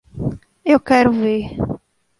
Eu quero ver